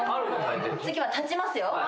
次は立ちますよ。